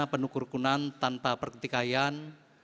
penuh kerukunan tanpa pertikaian